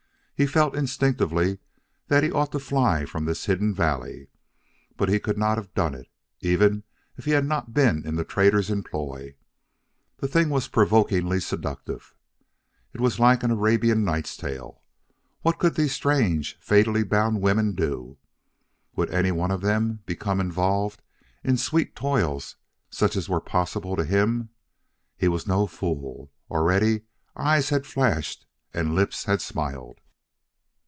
He felt instinctively that he ought to fly from this hidden valley. But he could not have done it, even had he not been in the trader's employ. The thing was provokingly seductive. It was like an Arabian Nights' tale. What could these strange, fatally bound women do? Would any one of them become involved in sweet toils such as were possible to him? He was no fool. Already eyes had flashed and lips had smiled.